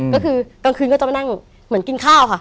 ก็คือกลางคืนก็จะมานั่งเหมือนกินข้าวค่ะ